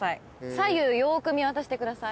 左右よく見渡してください。